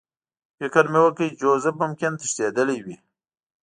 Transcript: فکر مې وکړ چې جوزف ممکن تښتېدلی وي